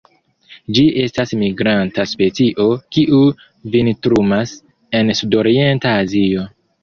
Ĝi estas migranta specio, kiu vintrumas en sudorienta Azio.